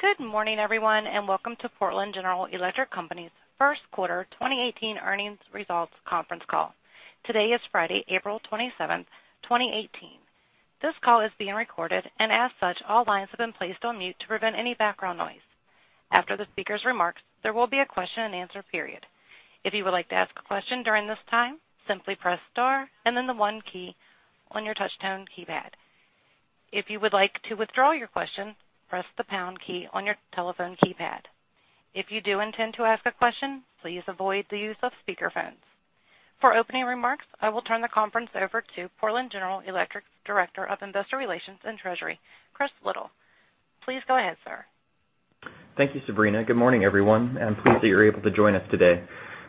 Good morning, everyone, and welcome to Portland General Electric Company's first quarter 2018 earnings results conference call. Today is Friday, April 27th, 2018. This call is being recorded, and as such, all lines have been placed on mute to prevent any background noise. After the speaker's remarks, there will be a question and answer period. If you would like to ask a question during this time, simply press star and then the one key on your touchtone keypad. If you would like to withdraw your question, press the pound key on your telephone keypad. If you do intend to ask a question, please avoid the use of speakerphones. For opening remarks, I will turn the conference over to Portland General Electric's Director of Investor Relations and Treasury, Chris Lytle. Please go ahead, sir. Thank you, Sabrina. Good morning, everyone, and pleased that you're able to join us today.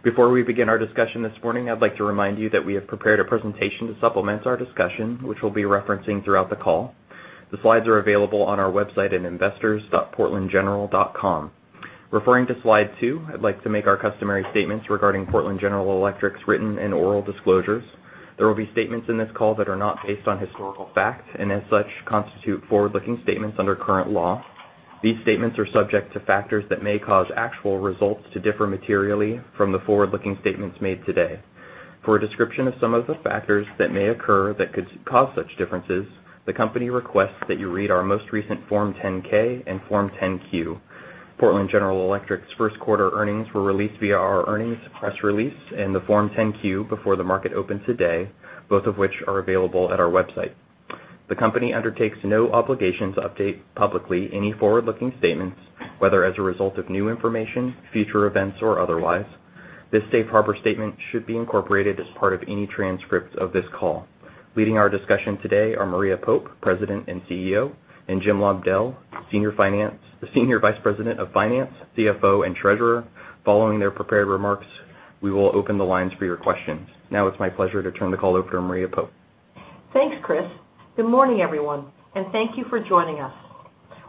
Before we begin our discussion this morning, I'd like to remind you that we have prepared a presentation to supplement our discussion, which we'll be referencing throughout the call. The slides are available on our website at investors.portlandgeneral.com. Referring to slide two, I'd like to make our customary statements regarding Portland General Electric's written and oral disclosures. There will be statements in this call that are not based on historical fact, and as such, constitute forward-looking statements under current law. These statements are subject to factors that may cause actual results to differ materially from the forward-looking statements made today. For a description of some of the factors that may occur that could cause such differences, the company requests that you read our most recent Form 10-K and Form 10-Q. Portland General Electric's first quarter earnings were released via our earnings press release and the Form 10-Q before the market opened today, both of which are available at our website. The company undertakes no obligation to update publicly any forward-looking statements, whether as a result of new information, future events, or otherwise. This safe harbor statement should be incorporated as part of any transcript of this call. Leading our discussion today are Maria Pope, President and CEO, and Jim Lobdell, the Senior Vice President of Finance, CFO, and Treasurer. Following their prepared remarks, we will open the lines for your questions. It's my pleasure to turn the call over to Maria Pope. Thanks, Chris. Good morning, everyone, and thank you for joining us.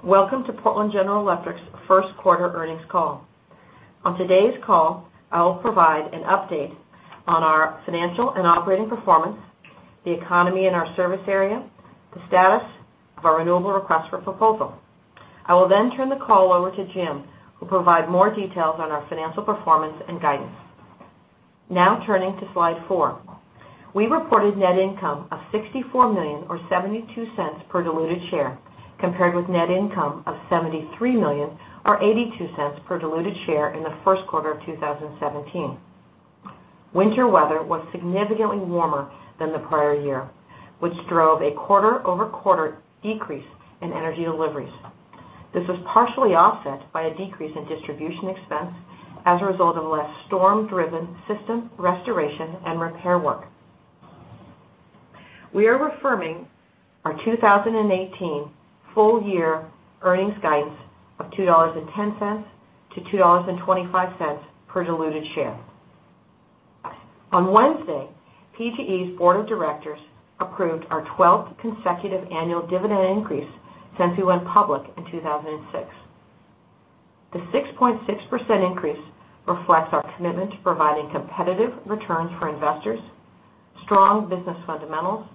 Welcome to Portland General Electric's first quarter earnings call. On today's call, I will provide an update on our financial and operating performance, the economy in our service area, the status of our renewable request for proposal. I will then turn the call over to Jim, who'll provide more details on our financial performance and guidance. Turning to slide four. We reported net income of $64 million, or $0.72 per diluted share, compared with net income of $73 million, or $0.82 per diluted share in the first quarter of 2017. Winter weather was significantly warmer than the prior year, which drove a quarter-over-quarter decrease in energy deliveries. This was partially offset by a decrease in distribution expense as a result of less storm-driven system restoration and repair work. We are reaffirming our 2018 full-year earnings guidance of $2.10 to $2.25 per diluted share. On Wednesday, PGE's Board of Directors approved our 12th consecutive annual dividend increase since we went public in 2006. The 6.6% increase reflects our commitment to providing competitive returns for investors, strong business fundamentals,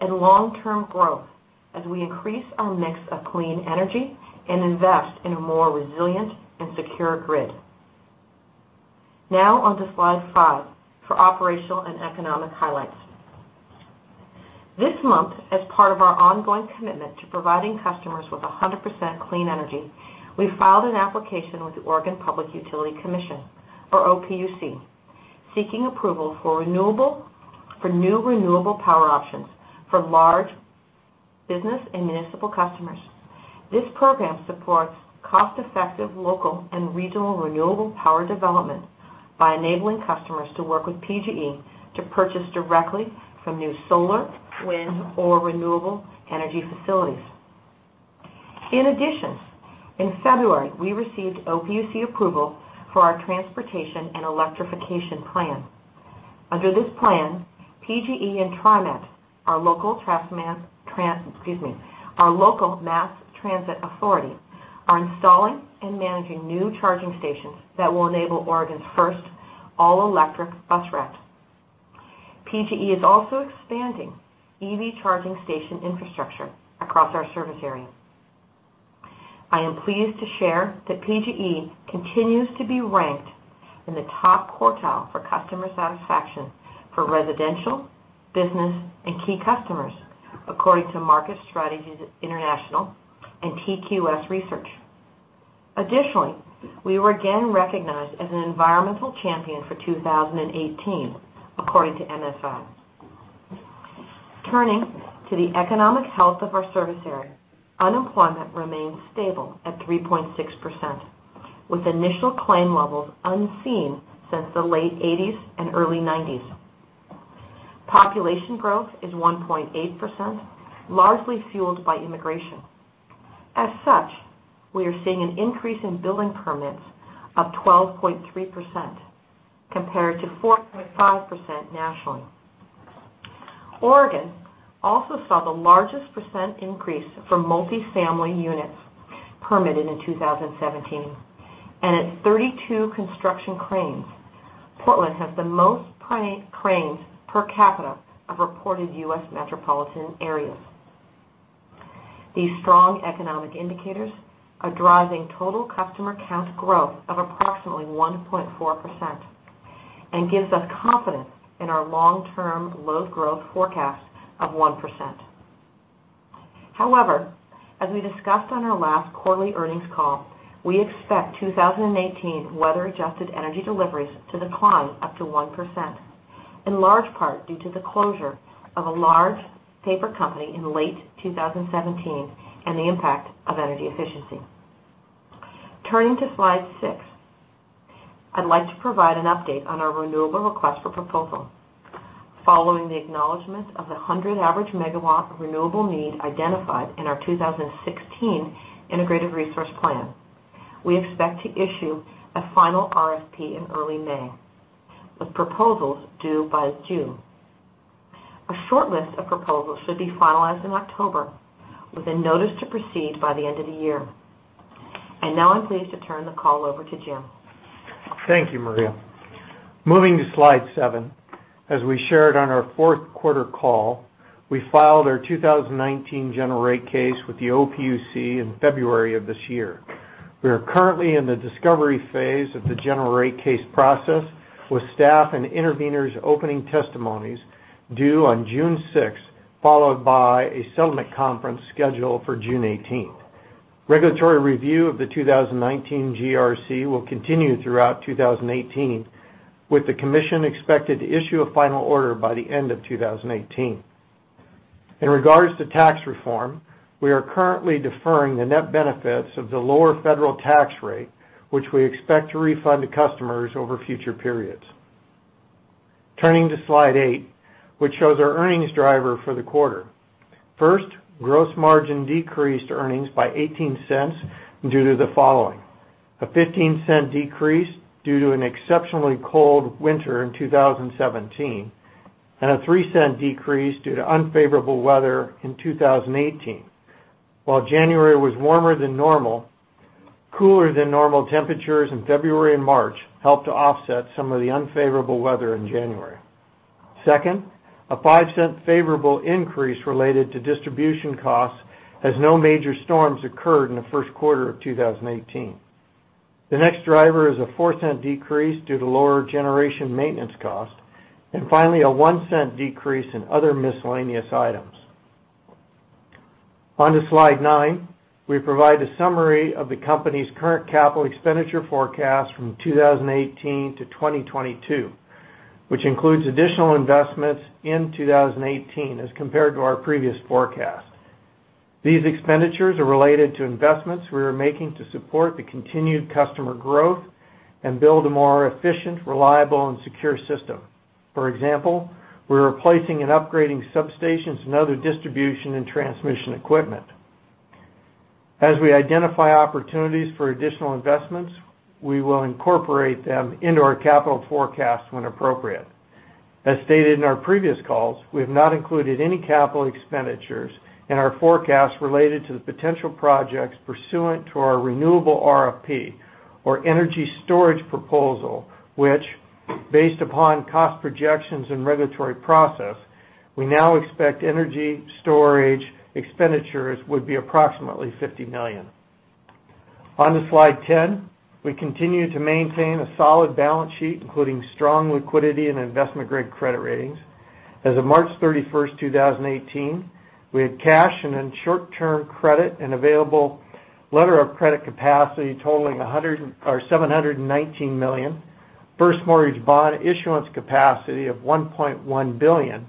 and long-term growth as we increase our mix of clean energy and invest in a more resilient and secure grid. On to slide five for operational and economic highlights. This month, as part of our ongoing commitment to providing customers with 100% clean energy, we filed an application with the Oregon Public Utility Commission, or OPUC, seeking approval for new renewable power options for large business and municipal customers. This program supports cost-effective local and regional renewable power development by enabling customers to work with PGE to purchase directly from new solar, wind, or renewable energy facilities. In February, we received OPUC approval for our transportation and electrification plan. Under this plan, PGE and TriMet, our local mass transit authority, are installing and managing new charging stations that will enable Oregon's first all-electric bus route. PGE is also expanding EV charging station infrastructure across our service area. I am pleased to share that PGE continues to be ranked in the top quartile for customer satisfaction for residential, business, and key customers, according to Market Strategies International and TQS Research. Additionally, we were again recognized as an environmental champion for 2018, according to MFI. Turning to the economic health of our service area, unemployment remains stable at 3.6%, with initial claim levels unseen since the late '80s and early '90s. Population growth is 1.8%, largely fueled by immigration. As such, we are seeing an increase in building permits of 12.3%, compared to 4.5% nationally. Oregon also saw the largest percent increase for multifamily units permitted in 2017, and at 32 construction cranes Portland has the most cranes per capita of reported U.S. metropolitan areas. These strong economic indicators are driving total customer count growth of approximately 1.4% and gives us confidence in our long-term load growth forecast of 1%. As we discussed on our last quarterly earnings call, we expect 2018 weather-adjusted energy deliveries to decline up to 1%, in large part due to the closure of a large paper company in late 2017 and the impact of energy efficiency. Turning to slide six, I'd like to provide an update on our renewable request for proposal. Following the acknowledgment of the 100 average megawatt renewable need identified in our 2016 Integrated Resource Plan, we expect to issue a final RFP in early May, with proposals due by June. A shortlist of proposals should be finalized in October, with a notice to proceed by the end of the year. Now I'm pleased to turn the call over to Jim. Thank you, Maria. Moving to slide seven. As we shared on our fourth quarter call, we filed our 2019 General Rate Case with the OPUC in February of this year. We are currently in the discovery phase of the General Rate Case process, with staff and interveners' opening testimonies due on June 6th, followed by a settlement conference scheduled for June 18th. Regulatory review of the 2019 GRC will continue throughout 2018, with the commission expected to issue a final order by the end of 2018. In regards to tax reform, we are currently deferring the net benefits of the lower federal tax rate, which we expect to refund to customers over future periods. Turning to slide eight, which shows our earnings driver for the quarter. First, gross margin decreased earnings by $0.18 due to the following: a $0.15 decrease due to an exceptionally cold winter in 2017, and a $0.03 decrease due to unfavorable weather in 2018. While January was warmer than normal, cooler than normal temperatures in February and March helped to offset some of the unfavorable weather in January. Second, a $0.05 favorable increase related to distribution costs, as no major storms occurred in the first quarter of 2018. The next driver is a $0.04 decrease due to lower generation maintenance cost, and finally, a $0.01 decrease in other miscellaneous items. On to slide nine, we provide a summary of the company's current capital expenditure forecast from 2018 to 2022, which includes additional investments in 2018 as compared to our previous forecast. These expenditures are related to investments we are making to support the continued customer growth and build a more efficient, reliable, and secure system. For example, we're replacing and upgrading substations and other distribution and transmission equipment. As we identify opportunities for additional investments, we will incorporate them into our capital forecast when appropriate. As stated in our previous calls, we have not included any capital expenditures in our forecast related to the potential projects pursuant to our renewable RFP or energy storage proposal, which, based upon cost projections and regulatory process, we now expect energy storage expenditures would be approximately $50 million. On to slide 10, we continue to maintain a solid balance sheet, including strong liquidity and investment-grade credit ratings. As of March 31st, 2018, we had cash and short-term credit and available letter of credit capacity totaling $719 million, first mortgage bond issuance capacity of $1.1 billion,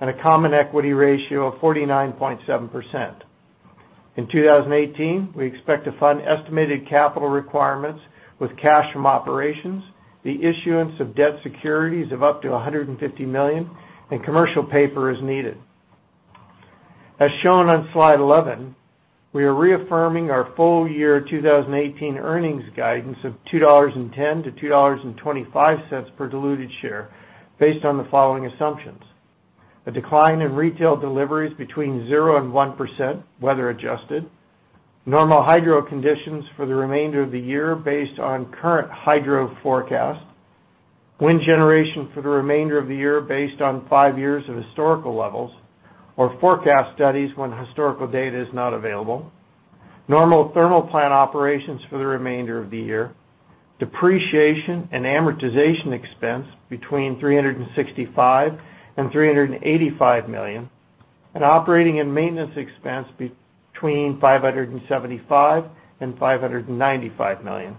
and a common equity ratio of 49.7%. In 2018, we expect to fund estimated capital requirements with cash from operations, the issuance of debt securities of up to $150 million, and commercial paper as needed. As shown on slide 11, we are reaffirming our full year 2018 earnings guidance of $2.10 to $2.25 per diluted share based on the following assumptions. A decline in retail deliveries between 0% and 1%, weather adjusted. Normal hydro conditions for the remainder of the year based on current hydro forecast. Wind generation for the remainder of the year based on five years of historical levels or forecast studies when historical data is not available. Normal thermal plant operations for the remainder of the year. Depreciation and amortization expense between $365 million and $385 million. Operating and maintenance expense between $575 million and $595 million.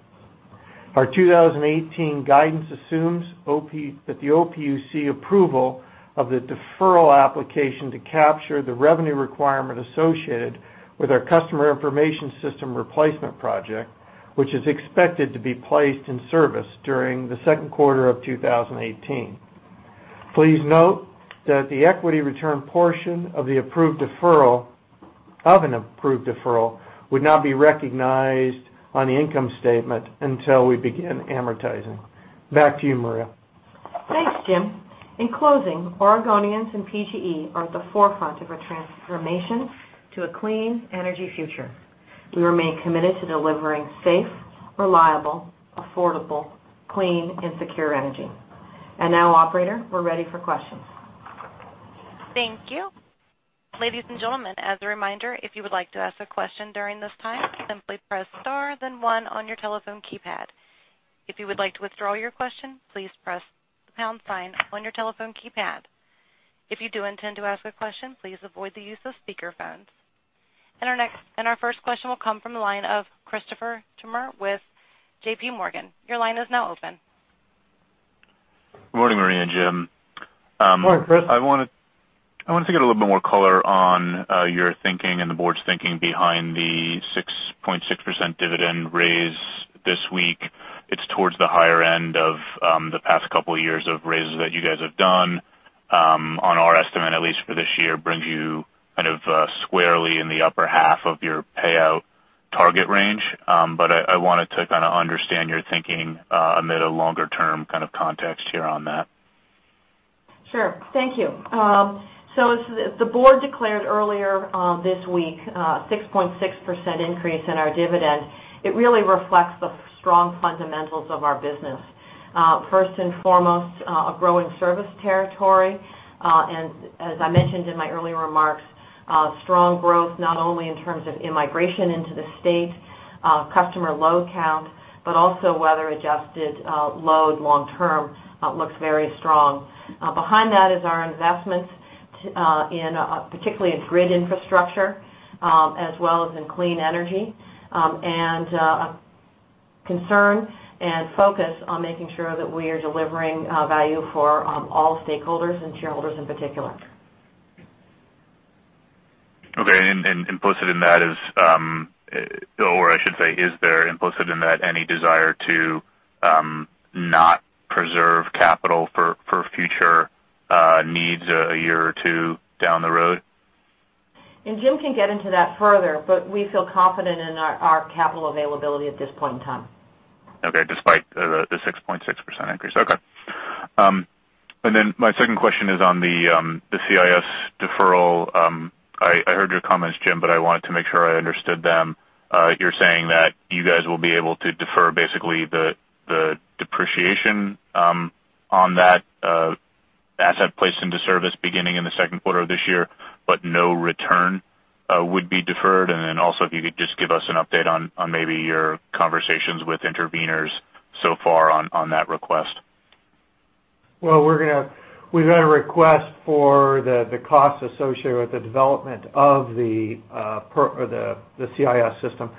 Our 2018 guidance assumes that the OPUC approval of the deferral application to capture the revenue requirement associated with our customer information system replacement project, which is expected to be placed in service during the second quarter of 2018. Please note that the equity return portion of an approved deferral would not be recognized on the income statement until we begin amortizing. Back to you, Maria. Thanks, Jim. In closing, Oregonians and PGE are at the forefront of a transformation to a clean energy future. We remain committed to delivering safe, reliable, affordable, clean, and secure energy. Now, operator, we're ready for questions. Thank you. Ladies and gentlemen, as a reminder, if you would like to ask a question during this time, simply press star then one on your telephone keypad. If you would like to withdraw your question, please press the pound sign on your telephone keypad. If you do intend to ask a question, please avoid the use of speakerphones. Our first question will come from the line of Christopher Turnure with JPMorgan. Your line is now open. Good morning, Maria and Jim. Good morning, Chris. I wanted to get a little bit more color on your thinking and the board's thinking behind the 6.6% dividend raise this week. It's towards the higher end of the past couple of years of raises that you guys have done. On our estimate, at least for this year, brings you kind of squarely in the upper half of your payout target range. I wanted to kind of understand your thinking amid a longer-term kind of context here on that. Sure. Thank you. As the board declared earlier this week, a 6.6% increase in our dividend, it really reflects the strong fundamentals of our business. First and foremost, a growing service territory. As I mentioned in my earlier remarks, strong growth, not only in terms of immigration into the state, customer load count, but also weather-adjusted load long-term looks very strong. Behind that is our investments, particularly in grid infrastructure, as well as in clean energy, and a concern and focus on making sure that we are delivering value for all stakeholders and shareholders in particular. Okay. Implicit in that is, or I should say, is there implicit in that any desire to not preserve capital for future needs a year or two down the road? Jim can get into that further, but we feel confident in our capital availability at this point in time. Okay. Despite the 6.6% increase. Okay. My second question is on the CIS deferral. I heard your comments, Jim, but I wanted to make sure I understood them. You're saying that you guys will be able to defer basically the depreciation on that asset placed into service beginning in the second quarter of this year, but no return would be deferred? Also, if you could just give us an update on maybe your conversations with interveners so far on that request. We've had a request for the cost associated with the development of the CIS system.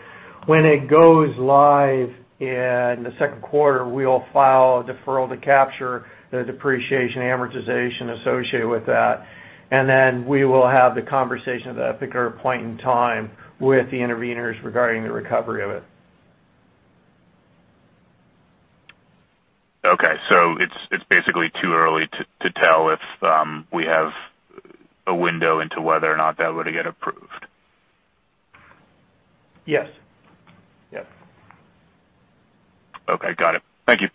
When it goes live in the second quarter, we'll file a deferral to capture the depreciation amortization associated with that, then we will have the conversation at a particular point in time with the interveners regarding the recovery of it. It's basically too early to tell if we have a window into whether or not that were to get approved. Yes. Yes. Okay, got it. Thank you.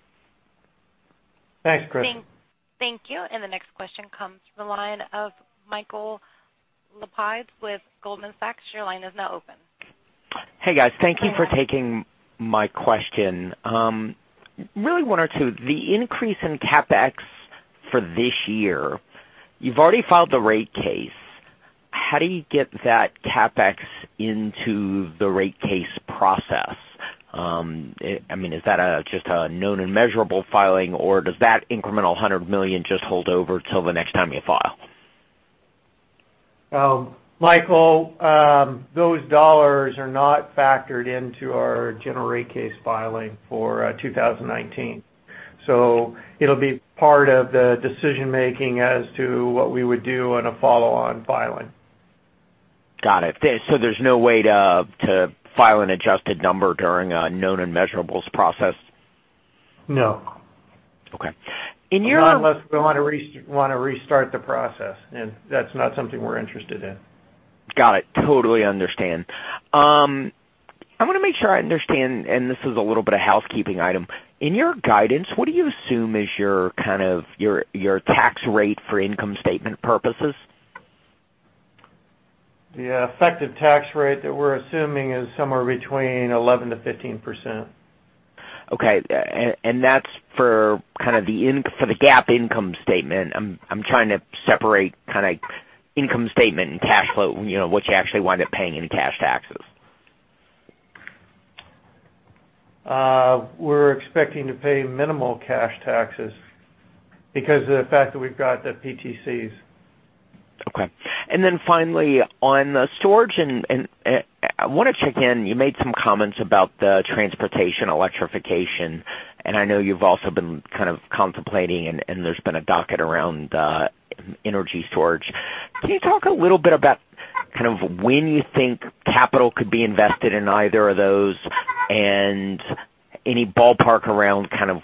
Thanks, Chris. Thank you. The next question comes from the line of Michael Lapides with Goldman Sachs. Your line is now open. Hey, guys. Thank you for taking my question. Really one or two. The increase in CapEx for this year, you've already filed the rate case. How do you get that CapEx into the rate case process? Is that just a known and measurable filing, or does that incremental $100 million just hold over till the next time you file? Michael, those dollars are not factored into our General Rate Case filing for 2019. It'll be part of the decision-making as to what we would do on a follow-on filing. Got it. There's no way to file an adjusted number during a known and measurables process? No. Okay. Not unless we want to restart the process, and that's not something we're interested in. Got it. Totally understand. This is a little bit of housekeeping item. In your guidance, what do you assume is your kind of your tax rate for income statement purposes? The effective tax rate that we're assuming is somewhere between 11%-15%. Okay. That's for kind of the GAAP income statement. I'm trying to separate kind of income statement and cash flow, what you actually wind up paying in cash taxes. We're expecting to pay minimal cash taxes because of the fact that we've got the PTCs. Finally, on the storage, I want to check in. You made some comments about the transportation electrification, and I know you've also been kind of contemplating, and there's been a docket around energy storage. Can you talk a little bit about kind of when you think capital could be invested in either of those and any ballpark around kind of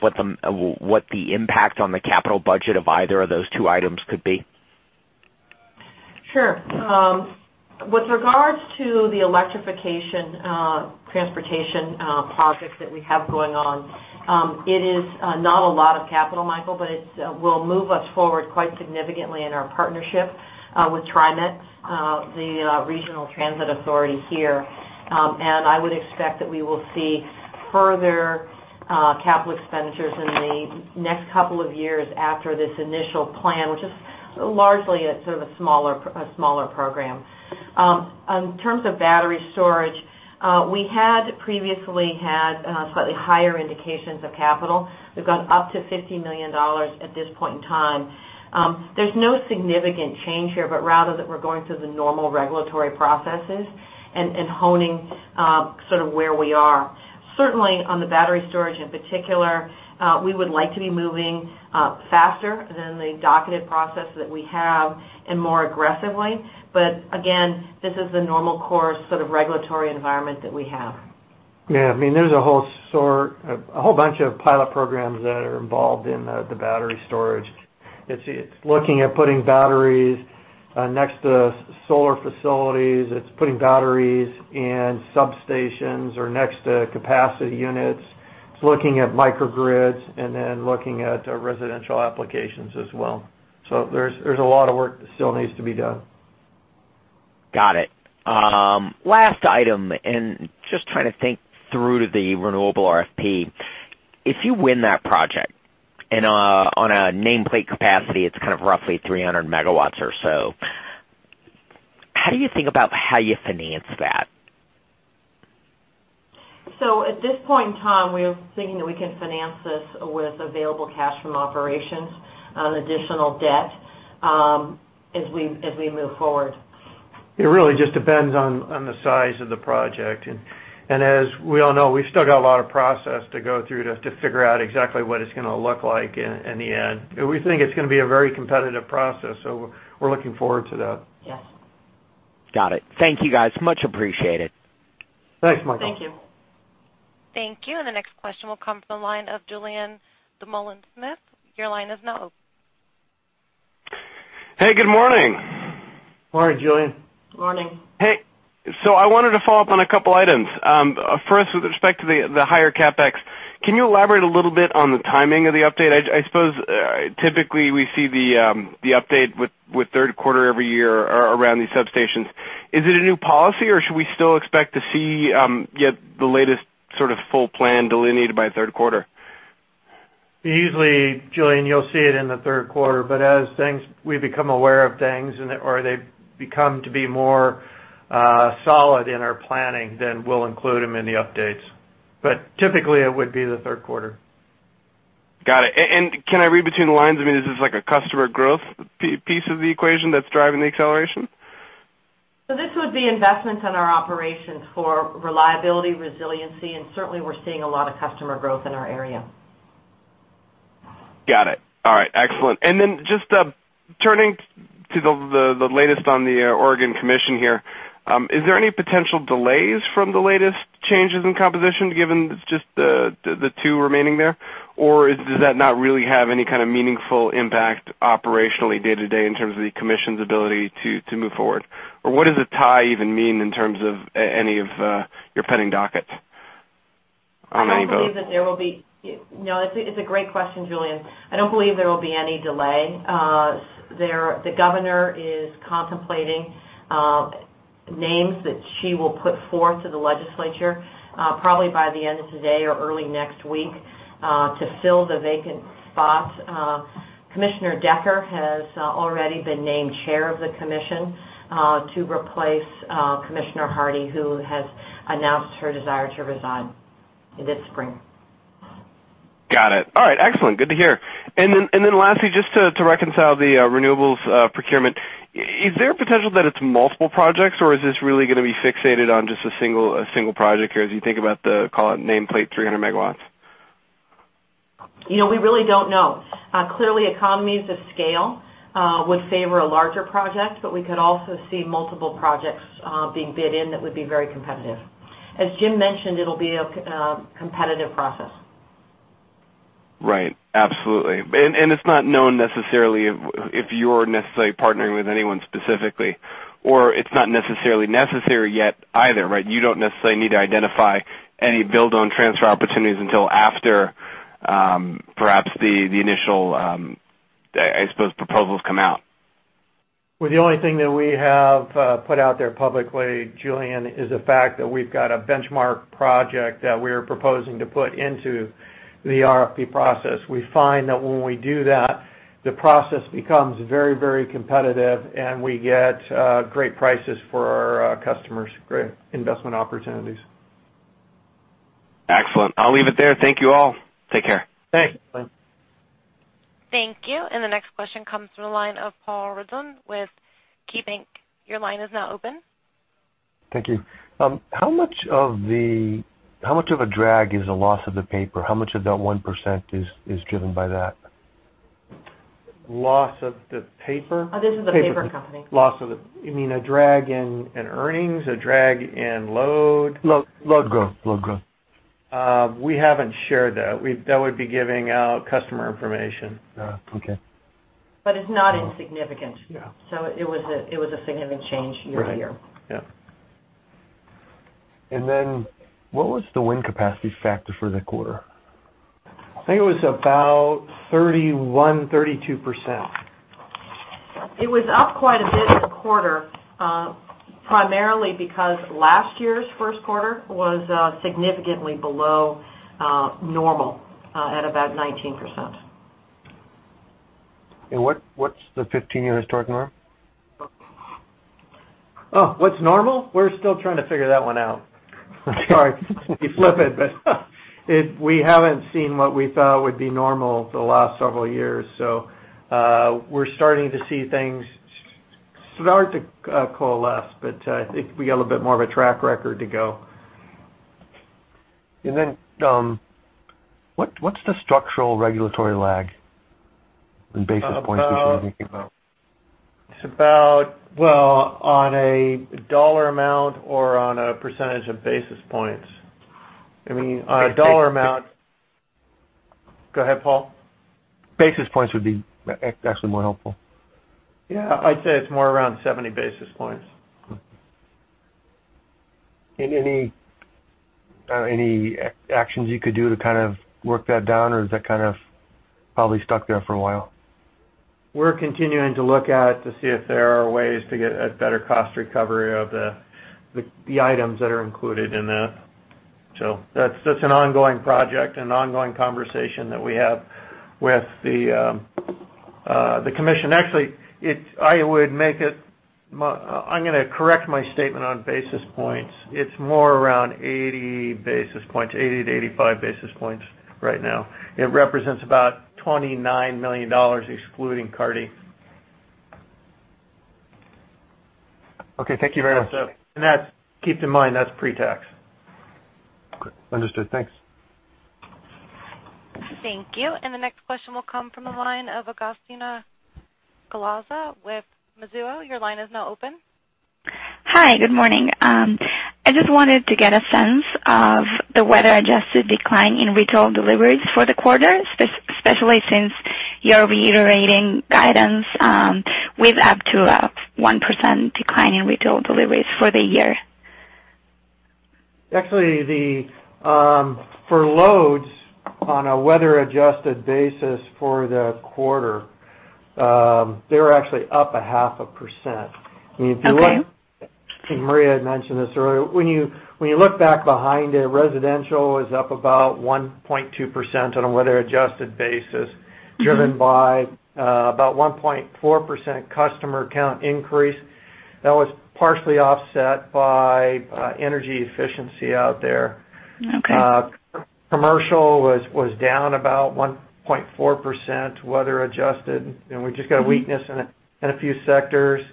what the impact on the capital budget of either of those two items could be? Sure. With regards to the electrification transportation projects that we have going on, it is not a lot of capital, Michael, but it will move us forward quite significantly in our partnership with TriMet, the regional transit authority here. I would expect that we will see further capital expenditures in the next couple of years after this initial plan, which is largely a sort of a smaller program. In terms of battery storage, we had previously had slightly higher indications of capital. We've gone up to $50 million at this point in time. There's no significant change here, but rather that we're going through the normal regulatory processes and honing sort of where we are. Certainly, on the battery storage in particular, we would like to be moving faster than the docketed process that we have and more aggressively. Again, this is the normal course sort of regulatory environment that we have. Yeah. There's a whole bunch of pilot programs that are involved in the battery storage. It's looking at putting batteries next to solar facilities. It's putting batteries in substations or next to capacity units. It's looking at microgrids and then looking at residential applications as well. There's a lot of work that still needs to be done. Got it. Last item, and just trying to think through to the renewable RFP. If you win that project, and on a nameplate capacity, it's kind of roughly 300 megawatts or so, how do you think about how you finance that? At this point in time, we're thinking that we can finance this with available cash from operations on additional debt as we move forward. It really just depends on the size of the project. As we all know, we've still got a lot of process to go through to figure out exactly what it's going to look like in the end. We think it's going to be a very competitive process, so we're looking forward to that. Yes. Got it. Thank you, guys. Much appreciated. Thanks, Michael. Thank you. Thank you. The next question will come from the line of Julien Dumoulin-Smith. Your line is now open. Hey, good morning. Morning, Julien. Morning. I wanted to follow up on a couple items. First, with respect to the higher CapEx, can you elaborate a little bit on the timing of the update? I suppose, typically, we see the update with third quarter every year around these substations. Is it a new policy, or should we still expect to see the latest sort of full plan delineated by third quarter? Usually, Julien, you'll see it in the third quarter, as we become aware of things or they become to be more solid in our planning, then we'll include them in the updates. Typically, it would be the third quarter. Got it. Can I read between the lines? Is this like a customer growth piece of the equation that's driving the acceleration? This would be investments in our operations for reliability, resiliency, and certainly we're seeing a lot of customer growth in our area. Got it. All right, excellent. Just turning to the latest on the Oregon Commission here, is there any potential delays from the latest changes in composition given just the two remaining there? Does that not really have any kind of meaningful impact operationally day-to-day in terms of the Commission's ability to move forward? What does a tie even mean in terms of any of your pending dockets on any vote? No, it's a great question, Julien. I don't believe there will be any delay. The governor is contemplating names that she will put forth to the legislature, probably by the end of today or early next week, to fill the vacant spots. Megan Decker has already been named Chair of the Commission to replace Lisa Hardie, who has announced her desire to resign this spring. Got it. All right, excellent. Good to hear. Lastly, just to reconcile the renewables procurement. Is there a potential that it's multiple projects, or is this really going to be fixated on just a single project here as you think about the, call it nameplate 300 MW? We really don't know. Clearly, economies of scale would favor a larger project, but we could also see multiple projects being bid in that would be very competitive. As Jim mentioned, it'll be a competitive process. Right. Absolutely. It's not known necessarily if you're necessarily partnering with anyone specifically, or it's not necessarily necessary yet either, right? You don't necessarily need to identify any build-own-transfer opportunities until after perhaps the initial, I suppose, proposals come out. Well, the only thing that we have put out there publicly, Julien, is the fact that we've got a benchmark project that we are proposing to put into the RFP process. We find that when we do that, the process becomes very competitive, and we get great prices for our customers, great investment opportunities. Excellent. I'll leave it there. Thank you all. Take care. Thanks. Thank you. The next question comes from the line of Paul Ridzon with KeyBank. Your line is now open. Thank you. How much of a drag is the loss of the paper? How much of that 1% is driven by that? Loss of the paper? This is a paper company. You mean a drag in earnings? A drag in load? Load growth. We haven't shared that. That would be giving out customer information. Okay. It's not insignificant. Yeah. It was a significant change year-over-year. Right. Yeah. What was the wind capacity factor for the quarter? I think it was about 31%, 32%. It was up quite a bit this quarter, primarily because last year's first quarter was significantly below normal, at about 19%. What's the 15-year historic norm? What's normal? We're still trying to figure that one out. Sorry to be flippant, but we haven't seen what we thought would be normal for the last several years. We're starting to see things start to coalesce, but I think we got a little bit more of a track record to go. What's the structural regulatory lag in basis points we should be thinking about? It's about, well, on a dollar amount or on a percentage of basis points? Both. On a dollar amount. Go ahead, Paul. Basis points would be actually more helpful. Yeah. I'd say it's more around 70 basis points. Okay. Any actions you could do to kind of work that down, or is that kind of probably stuck there for a while? We're continuing to look at to see if there are ways to get a better cost recovery of the items that are included in that. That's an ongoing project, an ongoing conversation that we have with the commission. Actually, I'm going to correct my statement on basis points. It's more around 80 basis points, 80-85 basis points right now. It represents about $29 million, excluding Carty. Okay. Thank you very much. Keep in mind, that's pre-tax. Okay. Understood. Thanks. Thank you. The next question will come from the line of Augustina Glaza with Mizuho. Your line is now open. Hi. Good morning. I just wanted to get a sense of the weather-adjusted decline in retail deliveries for the quarter, especially since you're reiterating guidance with up to a 1% decline in retail deliveries for the year. Actually, for loads, on a weather-adjusted basis for the quarter, they were actually up a half a %. Okay. I think Maria had mentioned this earlier. When you look back behind it, residential was up about 1.2% on a weather-adjusted basis. Driven by about 1.4% customer count increase. That was partially offset by energy efficiency out there. Okay. Commercial was down about 1.4%, weather adjusted, and we've just got a weakness in a few sectors.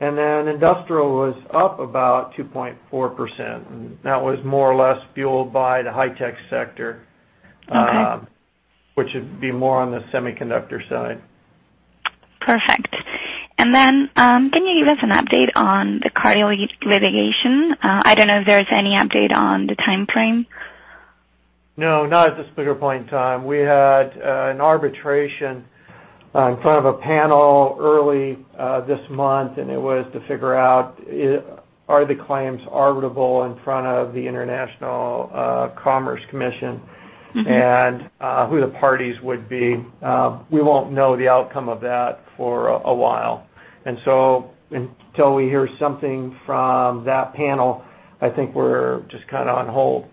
Industrial was up about 2.4%, and that was more or less fueled by the high-tech sector. Okay. Which would be more on the semiconductor side. Perfect. Can you give us an update on the Carty litigation? I don't know if there's any update on the timeframe. No, not at this particular point in time. We had an arbitration in front of a panel early this month, it was to figure out are the claims arbitrable in front of the International Chamber of Commerce. Who the parties would be. We won't know the outcome of that for a while. Until we hear something from that panel, I think we're just kind of on hold.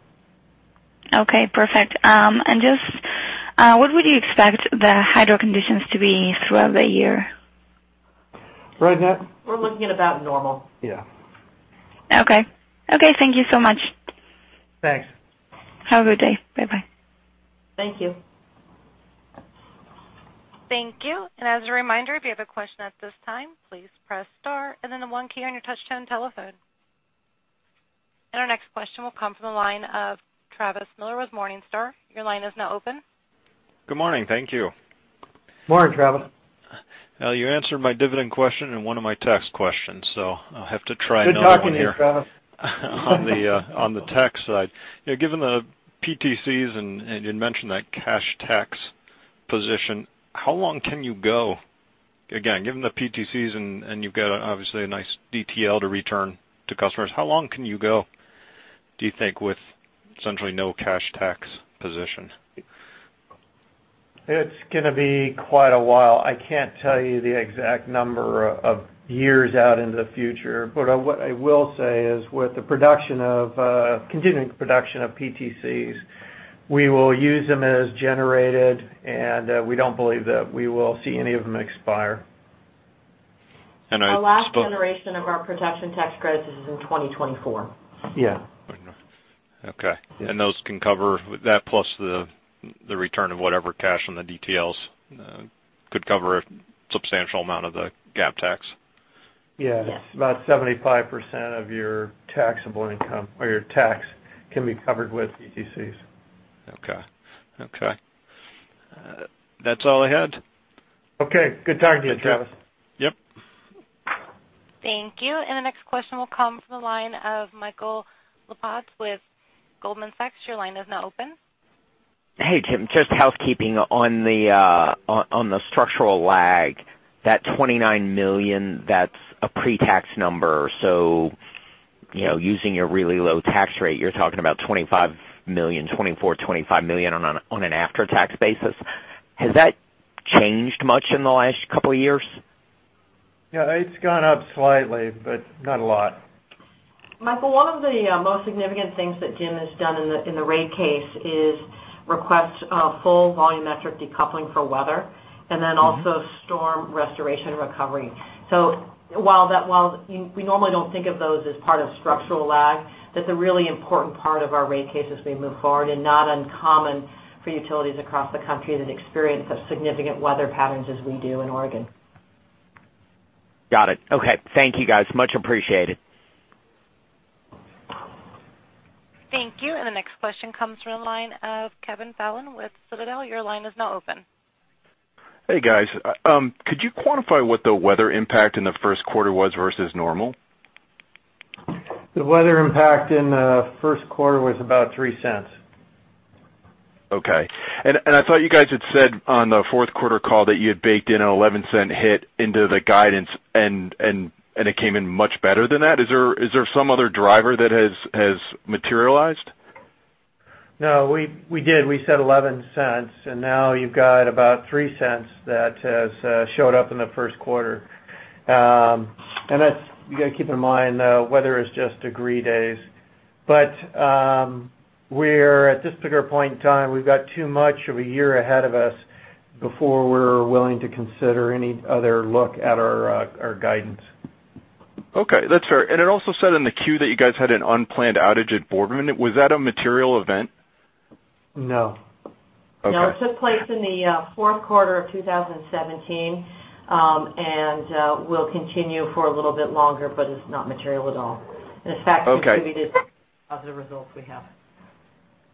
Okay, perfect. Just, what would you expect the hydro conditions to be throughout the year? Right, Matt? We're looking at about normal. Yeah. Okay. Okay, thank you so much. Thanks. Have a good day. Bye-bye. Thank you. Thank you. As a reminder, if you have a question at this time, please press star and then the 1 key on your touchtone telephone. Our next question will come from the line of Travis Miller with Morningstar. Your line is now open. Good morning. Thank you. Morning, Travis. You answered my dividend question and one of my tax questions. I'll have to try another one here. Good talking to you, Travis. On the tax side. Given the PTCs, and you'd mentioned that cash tax position, how long can you go? Again, given the PTCs, and you've got obviously a nice DTL to return to customers, how long can you go, do you think, with essentially no cash tax position? It's going to be quite a while. I can't tell you the exact number of years out into the future. What I will say is, with the continuing production of PTCs, we will use them as generated, and we don't believe that we will see any of them expire. Our last generation of our Production Tax Credits is in 2024. Yeah. Okay. Those can cover, that plus the return of whatever cash on the DTLs could cover a substantial amount of the gap tax. Yeah. Yes. About 75% of your taxable income or your tax can be covered with PTCs. Okay. That's all I had. Okay. Good talking to you, Travis. Yep. Thank you. The next question will come from the line of Michael Lapides with Goldman Sachs. Your line is now open. Hey, Jim. Just housekeeping on the structural lag, that $29 million, that's a pre-tax number. Using your really low tax rate, you're talking about $24 million, $25 million on an after-tax basis. Has that changed much in the last couple of years? Yeah, it's gone up slightly, but not a lot. Michael, one of the most significant things that Jim has done in the rate case is request a full volumetric decoupling for weather, and then also storm restoration recovery. While we normally don't think of those as part of structural lag, that's a really important part of our rate case as we move forward and not uncommon for utilities across the country that experience such significant weather patterns as we do in Oregon. Got it. Okay. Thank you, guys. Much appreciated. Thank you. The next question comes from the line of Kevin Fallon with Citadel. Your line is now open. Hey, guys. Could you quantify what the weather impact in the first quarter was versus normal? The weather impact in the first quarter was about $0.03. Okay. I thought you guys had said on the fourth quarter call that you had baked in an $0.11 hit into the guidance, and it came in much better than that. Is there some other driver that has materialized? No, we did. We said $0.11, and now you've got about $0.03 that has showed up in the first quarter. You got to keep in mind, weather is just degree days. At this particular point in time, we've got too much of a year ahead of us before we're willing to consider any other look at our guidance. Okay. That's fair. It also said in the Q that you guys had an unplanned outage at Boardman. Was that a material event? No. Okay. No, it took place in the fourth quarter of 2017, and will continue for a little bit longer, but it's not material at all. Okay It contributed positive results we have.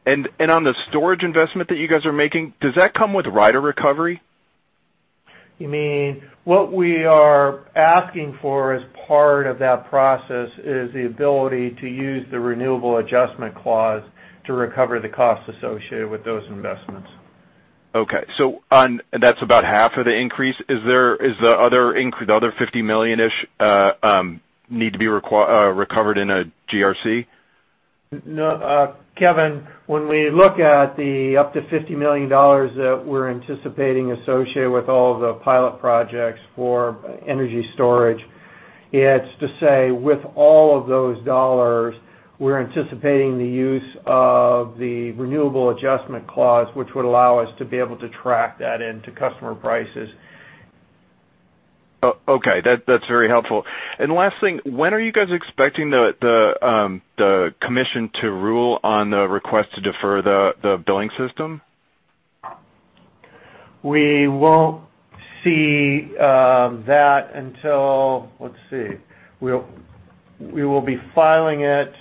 On the storage investment that you guys are making, does that come with rider recovery? You mean, what we are asking for as part of that process is the ability to use the Renewable Adjustment Clause to recover the cost associated with those investments. Okay. That's about half of the increase. Is the other $50 million-ish need to be recovered in a GRC? No. Kevin, when we look at the up to $50 million that we're anticipating associated with all the pilot projects for energy storage, it's to say with all of those dollars, we're anticipating the use of the Renewable Adjustment Clause, which would allow us to be able to track that into customer prices. Oh, okay. That's very helpful. Last thing, when are you guys expecting the commission to rule on the request to defer the billing system? We won't see that until, let's see. We will be filing it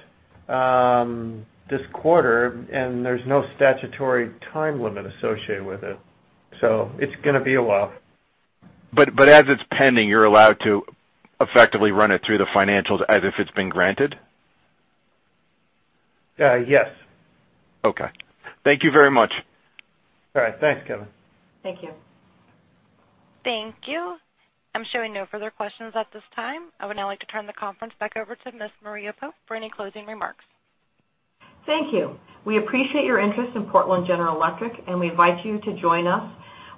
this quarter. There's no statutory time limit associated with it's going to be a while. As it's pending, you're allowed to effectively run it through the financials as if it's been granted? Yes. Okay. Thank you very much. All right. Thanks, Kevin. Thank you. Thank you. I'm showing no further questions at this time. I would now like to turn the conference back over to Ms. Maria Pope for any closing remarks. Thank you. We appreciate your interest in Portland General Electric, and we invite you to join us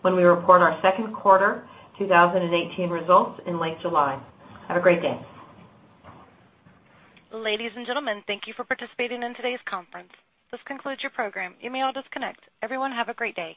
when we report our second quarter 2018 results in late July. Have a great day. Ladies and gentlemen, thank you for participating in today's conference. This concludes your program. You may all disconnect. Everyone have a great day.